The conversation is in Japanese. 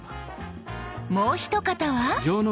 もう一方は。